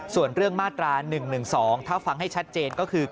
ส่วนเรื่องมาตรา๑๑๒ถ้าฟังให้ชัดเจนก็คือ